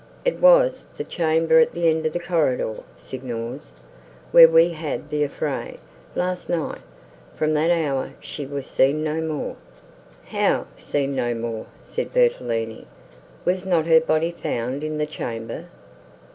It was the chamber at the end of the corridor, Signors, where we had the affray, last night. From that hour, she was seen no more." "How! seen no more!" said Bertolini, "was not her body found in the chamber?"